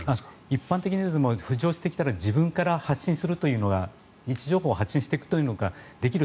一般的に、浮上してきたら自分から発信するというのが位置情報を発信することができる